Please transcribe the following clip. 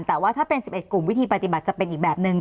แต่ว่าถ้าเป็น๑๑กลุ่มวิธีปฏิบัติจะเป็นอีกแบบนึง